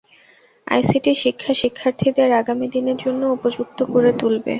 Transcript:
ICT শিক্ষা শিক্ষার্থীদের আগামী দিনের জন্য উপযুক্ত করে তুলবে।